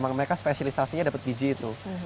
memang mereka spesialisasinya dapat biji itu